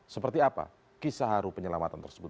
seperti apa kisah haru penyelamatan tersebut